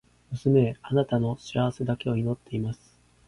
娘へ、貴女の幸せだけを祈っています。